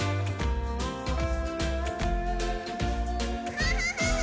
アハハハ！